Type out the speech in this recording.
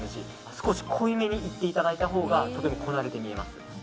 少し濃いめにいっていただいたほうがとてもこなれて見えます。